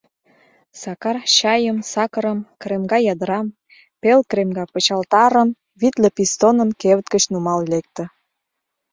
Сакар чайым-сакырым, кремга ядрам, пел кремга пычалтарым, витле пистоным кевыт гыч нумал лекте.